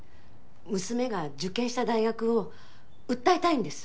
娘が受験した大学を訴えたいんです。